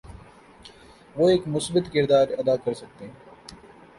وہ ایک مثبت کردار ادا کرسکتے ہیں۔